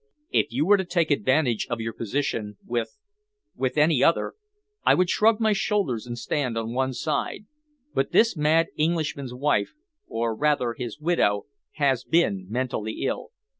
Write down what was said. "If you were to take advantage of your position with with any other, I would shrug my shoulders and stand on one side, but this mad Englishman's wife, or rather his widow, has been mentally ill.